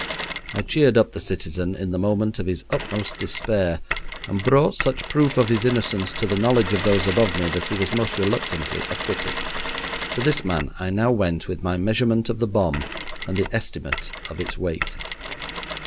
I cheered up the citizen in the moment of his utmost despair, and brought such proof of his innocence to the knowledge of those above me that he was most reluctantly acquitted. To this man I now went with my measurement of the bomb and the estimate of its weight.